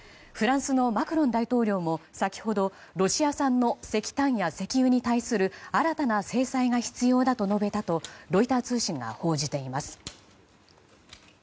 フランスのマクロン大統領も先ほどロシア産の石炭や石油に対する新たな制裁が必要だと述べたとロイター通信が報じています。